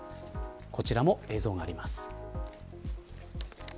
こちらも映像があります。